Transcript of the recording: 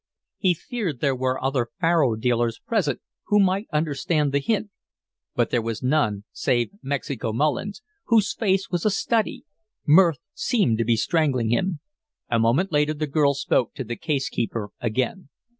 He feared there were other faro dealers present who might understand the hint, but there was none save Mexico Mullins, whose face was a study mirth seemed to be strangling him. A moment later the girl spoke to the case keeper again.